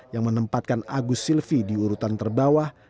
yang menempatkan agus silvi di urutan terbawah